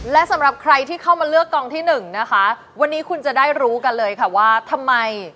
และสำหรับใครที่เข้ามาเลือกกองที่หนึ่งนะคะวันนี้คุณจะได้รู้กันเลยค่ะว่าทำไม